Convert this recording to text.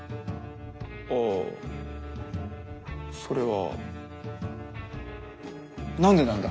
ああそれは何でなんだ？